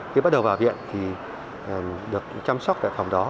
khi bắt đầu vào viện thì được chăm sóc tại phòng đó